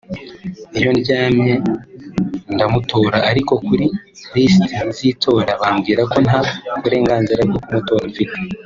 Iyo ndyamye ndamutora ariko kuri lisiti z’itora bambwira ko nta burenganzira bwo kumutora mfite